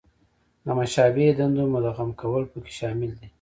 د مشابه دندو مدغم کول پکې شامل دي.